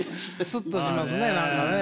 スッとしますね何かね。